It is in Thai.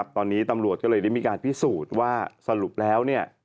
ตอนนี้ตำรวจก็เลยได้มีการพิสูจน์ว่าสรุปแล้ว